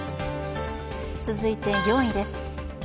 続いて４位です。